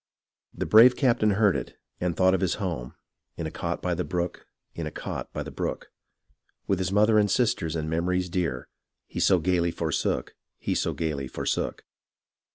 The brave captain heard it, and thought of his home In a cot by the brook ; in a cot by the brook. With mother and sisters and memories dear. He so gaily forsook ; he so gaily forsook.